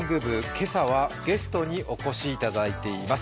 今朝はゲストにお越しいただいています。